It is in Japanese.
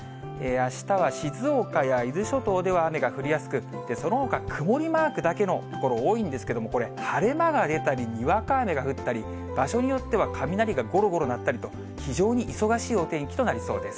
あしたは静岡や伊豆諸島では雨が降りやすく、そのほか曇りマークだけの所多いんですけれども、これ、晴れ間が出たり、にわか雨が降ったり、場所によっては雷がごろごろ鳴ったりと、非常に忙しいお天気となりそうです。